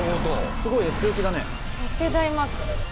すごいね強気だね。